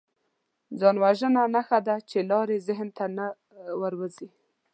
ځانوژنه نښه ده چې لارې ذهن ته نه ورځي